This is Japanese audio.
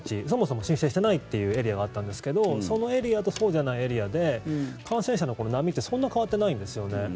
そもそも申請していないエリアがあったんですがそのエリアとそうじゃないエリアで感染者の波って、そんなに変わってないんですよね。